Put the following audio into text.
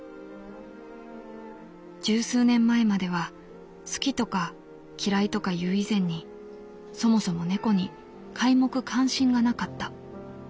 「十数年前までは好きとか嫌いとかいう以前にそもそも猫に皆目関心がなかった。